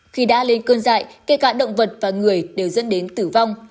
khi đã lên cơn dại kể cả động vật và người đều dẫn đến tử vong